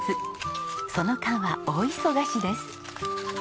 その間は大忙しです。